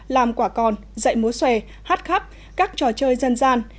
làm quả còn dạy múa xòe hát khắp các trò chơi dân gian